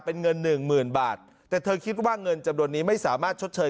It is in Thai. เป็นเงินหนึ่งหมื่นบาทแต่เธอคิดว่าเงินจำนวนนี้ไม่สามารถชดเชย